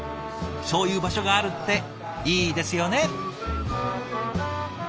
そういう場所があるっていいですよね。